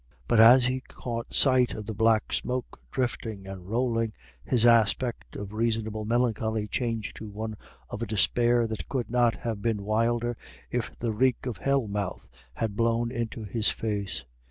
But as he caught sight of the black smoke drifting and rolling, his aspect of reasonable melancholy changed to one of a despair that could not have been wilder if the reek of hell mouth had blown into his face.